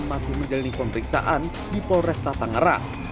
masih menjalani pemeriksaan di polresta tangerang